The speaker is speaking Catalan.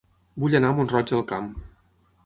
Vull anar a Mont-roig del Camp